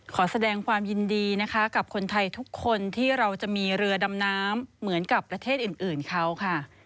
ขอแสดงความยินดีนะคะกับคนไทยทุกคนที่เราจะมีเรือดำน้ำเหมือนกับประเทศอื่นเขาค่ะ